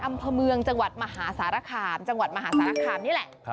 อำเภอเมืองจังหวัดมหาสารคามจังหวัดมหาสารคามนี่แหละ